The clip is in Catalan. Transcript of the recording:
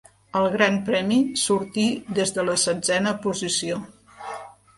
Al Gran Premi sortí des de la setzena posició.